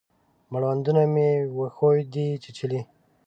مړوندونه مې وښیو دی چیچلي